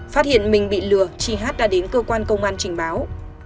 phát hiện mình bị lừa chị hát đã đến cơ quan công an trình báo